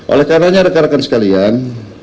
oleh karenanya rekan rekan sekalian